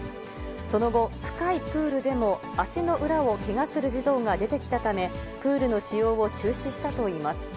その後、深いプールでも足の裏をけがする児童が出てきたため、プールの使用を中止したといいます。